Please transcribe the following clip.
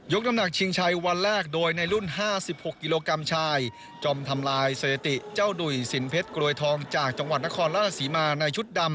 ยกน้ำหนักชิงชัยวันแรกโดยในรุ่น๕๖ยิโลกรัมชายจมทำลายเสียติเจ้าดุยศิลปิตกลวยทองจะจังหวัดนครละหโสีมาในชุดดำ